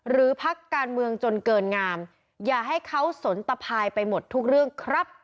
พักการเมืองจนเกินงามอย่าให้เขาสนตภายไปหมดทุกเรื่องครับ